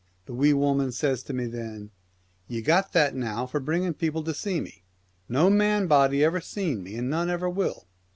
The Wee Woman says to me then, " Ye got that now for bringing people to see me. No man body ever seen me, and none ever will."